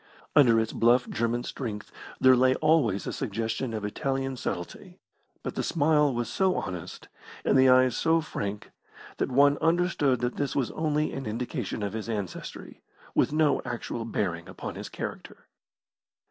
Under its bluff German strength there lay always a suggestion of Italian subtlety, but the smile was so honest, and the eyes so frank, that one understood that this was only an indication of his ancestry, with no actual bearing upon his character.